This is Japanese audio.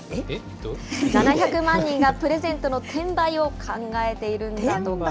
７００万人がプレゼントの転売を考えているんだとか。